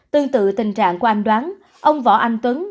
tương tự tình trạng của anh đoán ông võ anh tuấn